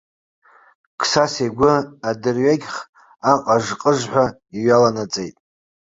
Қсас игәы адырҩегьх аҟыж-ҟыжҳәа иҩаланаҵеит.